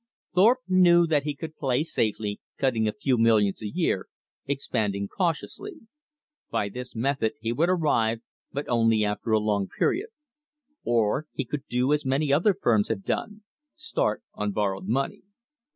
Thorpe knew that he could play safely, cutting a few millions a year, expanding cautiously. By this method he would arrive, but only after a long period. Or he could do as many other firms have done; start on borrowed money.